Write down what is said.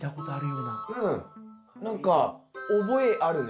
うん何か覚えあるね。